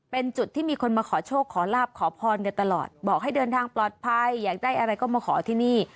เป็นจุดที่มีคนมาขอโชคขอลาบขอพรกันตลอดบอกให้เดินทางปลอดภัยอยากได้อะไรก็มาขอที่นี่